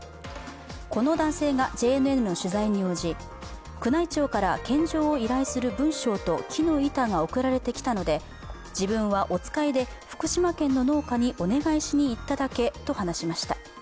この男性がＪＮＮの取材に応じ宮内庁から献上を依頼する文章と木の板が送られてきたので自分はおつかいで福島県の農家にお願いしに行っただけと話しました。